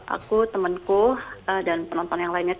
aku temenku dan penonton yang lainnya